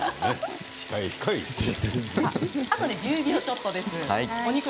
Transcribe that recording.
あと１０秒ちょっとです。